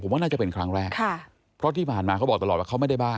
ว่าน่าจะเป็นครั้งแรกค่ะเพราะที่ผ่านมาเขาบอกตลอดว่าเขาไม่ได้บ้า